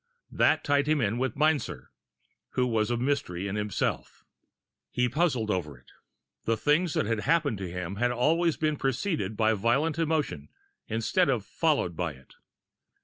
That tied him in with Meinzer, who was a mystery in himself. He puzzled over it. The things that had happened to him had always been preceded by violent emotion, instead of followed by it.